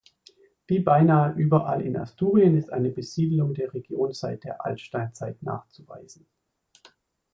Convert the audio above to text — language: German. Wie beinahe überall in Asturien ist eine Besiedelung der Region seit der Altsteinzeit nachzuweisen.